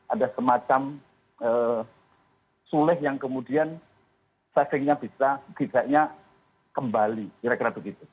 ada semacam sulih yang kemudian savingnya bisa kembali